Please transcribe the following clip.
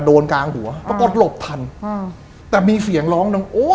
โดนกลางหัวเราก็หลบทันอืมแต่มีเสียงร้อง